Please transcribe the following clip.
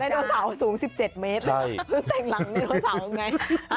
ไดโนเสาร์สูง๑๗เมตรแต่งหลังไดโนเสาร์ไง